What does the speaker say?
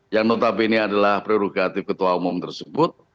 yang notabene adalah prerogatif ketua umum tersebut